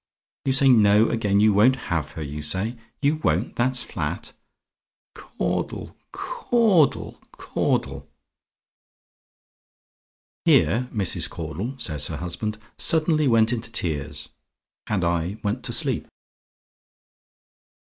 "You say NO again? YOU WON'T HAVE HER, you say? "YOU WON'T, THAT'S FLAT? "Caudle Cau Cau dle Cau dle " "Here Mrs. Caudle," says her husband, "suddenly went into tears; and I went to sleep."